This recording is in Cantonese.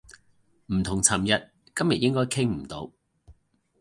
唔同尋日，今日應該傾唔到